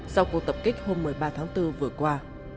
sau cuộc tập kích hôm một mươi ba tháng bốn vừa qua